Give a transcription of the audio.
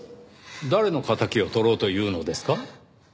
誰の敵を取ろうというのですか？